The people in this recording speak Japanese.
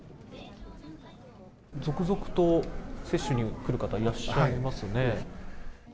続々と接種に来る方、いらっしゃいますよね。